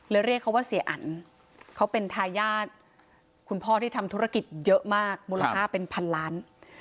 เรียกเขาว่าเสียอันเขาเป็นทายาทคุณพ่อที่ทำธุรกิจเยอะมากมูลค่าเป็นพันล้าน